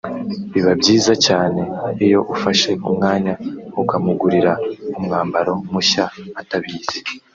Biba byiza cyane iyo ufashe umwanya ukamugurira umwambaro mushya atabizi